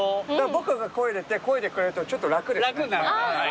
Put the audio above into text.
僕がこいでてこいでくれるとちょっと楽ですね。